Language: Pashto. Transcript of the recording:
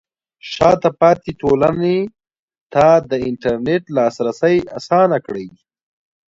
شاته پاتې ټولنې ته د انټرنیټ لاسرسی اسانه کړئ.